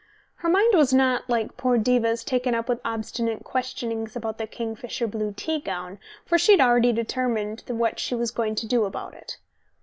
Her mind was not, like poor Diva's, taken up with obstinate questionings about the kingfisher blue tea gown, for she had already determined what she was going to do about it.